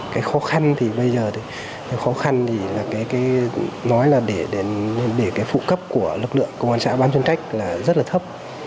cái khó khăn thì bây giờ khó khăn thì nói là để phụ cấp của lực lượng công an xã bán chân trách là rất là thấp